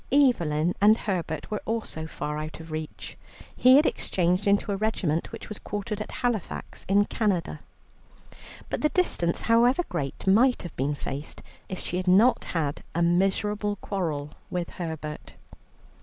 Evelyn and Herbert were also far out of reach. He had exchanged into a regiment which was quartered at Halifax, in Canada. But the distance, however great, might have been faced, if she had not had a miserable quarrel with Herbert.